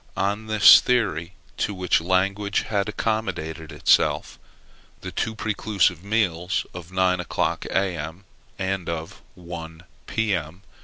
On this theory, to which language had accommodated itself, the two prelusive meals of nine o'clock, A.M., and of one, P.M.